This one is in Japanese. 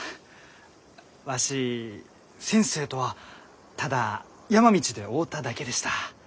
わし先生とはただ山道で会うただけでした。